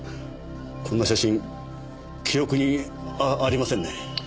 こんな写真記憶にあありませんね。